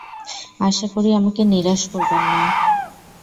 আশা করি আমাকে নিরাশ করবেন না।